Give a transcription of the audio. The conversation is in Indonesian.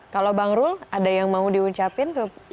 kalau bang rul ada yang mau di ucapin tuh